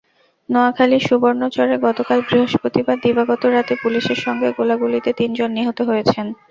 নোয়াখালীর সুবর্ণচরে গতকাল বৃহস্পতিবার দিবাগত রাতে পুলিশের সঙ্গে গোলাগুলিতে তিনজন নিহত হয়েছেন।